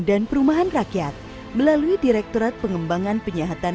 dan perumahan rakyat melalui direktorat pengembangan penyihatan